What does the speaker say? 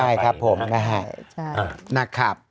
ใช่ครับผมนะครับ